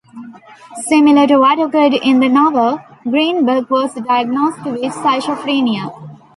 Similar to what occurred in the novel, Greenberg was diagnosed with schizophrenia.